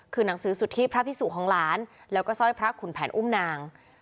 คือหนังสือสุทธิพระพิสุของหลานแล้วก็สร้อยพระขุนแผนอุ้มนาง